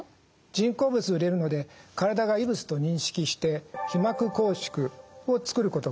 人工物を入れるので体が異物と認識して被膜拘縮を作ることがあります。